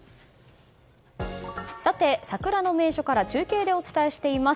桜の名所から中継で伝えています。